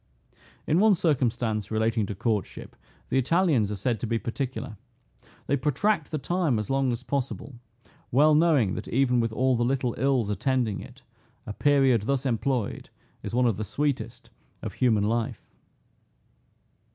In one circumstance relating to courtship, the Italians are said to be particular. They protract the time as long as possible, well knowing that even with all the little ills attending it, a period thus employed is one of the sweetest of human life.